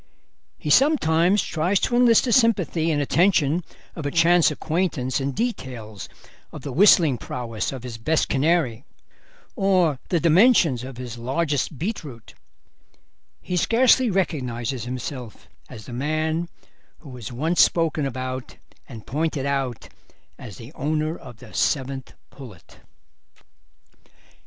He sometimes tries to enlist the sympathy and attention of a chance acquaintance in details of the whistling prowess of his best canary or the dimensions of his largest beetroot; he scarcely recognises himself as the man who was once spoken about and pointed out as the owner of the Seventh Pullet.